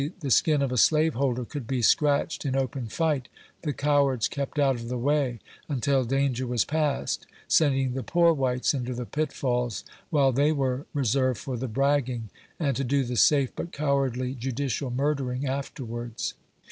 the skin of a slaveholder could be scratched in open fight ; the cowards kept out of the way until danger was passed, sending the poor whites into the pitfalls, while they were re served for the bragging, and to do the safe but cowardly ju dicial murdering afterwards.